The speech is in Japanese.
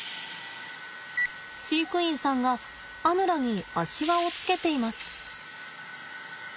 飼育員さんがアヌラに足輪をつけています。